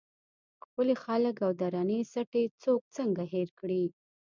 ښکلي خلک او درنې سټې څوک څنګه هېر کړي.